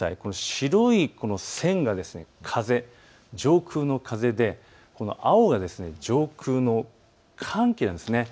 白い線が風、上空の風で青が上空の寒気なんです。